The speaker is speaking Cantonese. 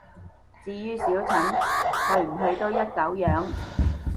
至於小陳，去唔去都一狗樣